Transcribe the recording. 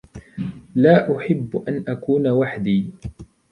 لا أحب أن أكون وحدي.